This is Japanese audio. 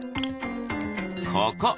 ここ！